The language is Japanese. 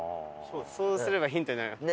そうすればヒントになるはず。